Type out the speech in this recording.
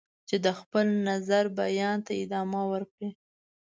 چې د خپل نظر بیان ته ادامه ورکړي.